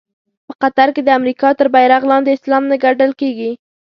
په قطر کې د امریکا تر بېرغ لاندې اسلام نه ګټل کېږي.